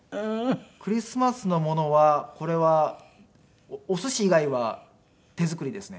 クリスマスのものはこれはおすし以外は手作りですね。